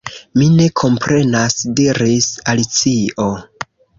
"Mi ne komprenas," diris Alicio.